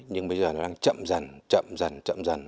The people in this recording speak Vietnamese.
nhưng bây giờ nó đang chậm dần chậm dần chậm dần